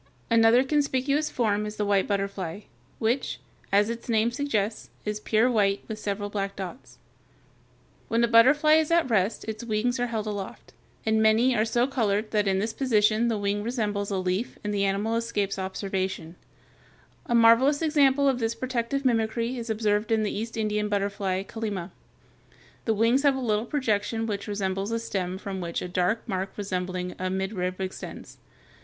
Another conspicuous form is the white butterfly (Fig. 234), which, as its name suggests, is pure white, with several black spots. [Illustration: FIG. 232. Butterfly and young.] [Illustration: FIG. 233. Tortoise shell butterfly.] When the butterfly is at rest its wings are held aloft, and many are so colored that in this position the wing resembles a leaf and the animal escapes observation. A marvelous example of this protective mimicry is observed in the East Indian butterfly, Kallima (Fig. 235). The wings have a little projection which resembles a stem from which a dark mark resembling a midrib extends.